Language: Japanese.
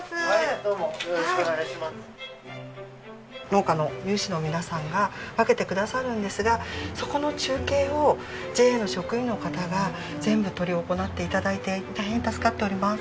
農家の有志の皆さんが分けてくださるんですがそこの中継をＪＡの職員の方が全部執り行って頂いて大変助かっております。